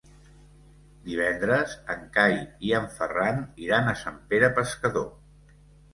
Divendres en Cai i en Ferran iran a Sant Pere Pescador.